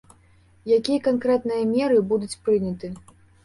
Якія канкрэтныя меры будуць прыняты?